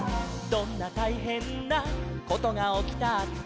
「どんなたいへんなことがおきたって」